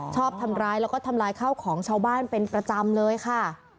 ชอบทำร้ายแล้วก็ทำลายข้าวของชาวบ้านเป็นประจำเลยค่ะ